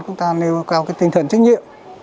chúng ta nêu cao tinh thần trách nhiệm